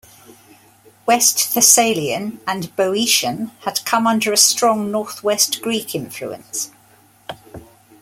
West Thessalian and Boeotian had come under a strong Northwest Greek influence.